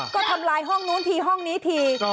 ก็ทำลายห้องนู้นทีห้องนี้ที